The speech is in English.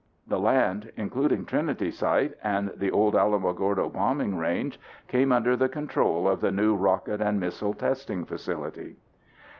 The land, including Trinity Site and the old Alamogordo Bombing Range, came under the control of the new rocket and missile testing facility.